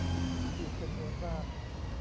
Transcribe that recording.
อีกจำนวนมาก